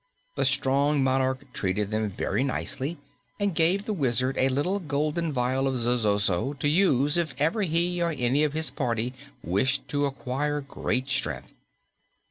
The strong monarch treated them very nicely and gave the Wizard a little golden vial of zosozo to use if ever he or any of his party wished to acquire great strength.